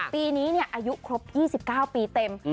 ปีนี้อายุครบ๒๙ปีเต็ม